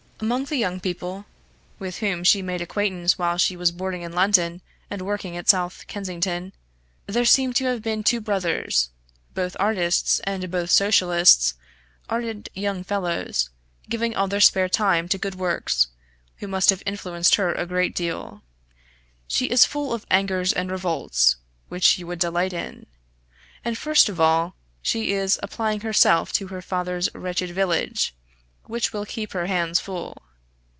Among the young people with whom she made acquaintance while she was boarding in London and working at South Kensington, there seem to have been two brothers, both artists, and both Socialists; ardent young fellows, giving all their spare time to good works, who must have influenced her a great deal. She is full of angers and revolts, which you would delight in. And first of all, she is applying herself to her father's wretched village, which will keep her hands full.